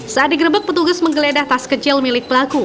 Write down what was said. saat digerebek petugas menggeledah tas kecil milik pelaku